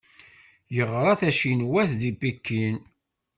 Yeɣra tacinwant di Pikin.